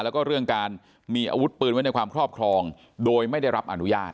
แล้วก็เรื่องการมีอาวุธปืนไว้ในความครอบครองโดยไม่ได้รับอนุญาต